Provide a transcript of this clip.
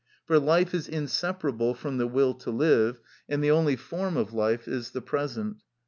For life is inseparable from the will to live, and the only form of life is the present.